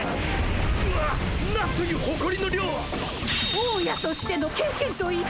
大家としての経験と意地！